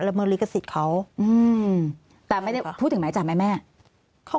เมิดลิขสิทธิ์เขาอืมแต่ไม่ได้พูดถึงหมายจับไหมแม่เขา